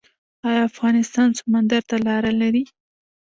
آیا افغانستان سمندر ته لاره لري؟